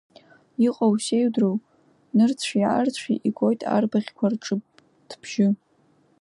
Иҟоу сеидроу нырцәи-аарцәи, игоит арбаӷьқәа рҿыҭбжьы.